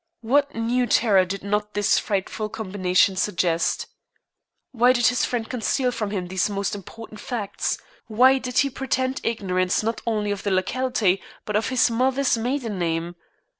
What new terror did not this frightful combination suggest? Why did his friend conceal from him these most important facts? Why did he pretend ignorance not only of the locality but of his mother's maiden name?